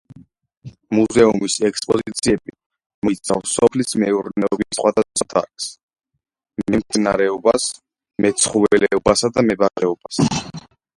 მუზეუმის ექსპოზიციები მოიცავს სოფლის მეურნეობის სხვადასხვა დარგს: მემცენარეობას, მეცხოველეობასა და მებაღეობას.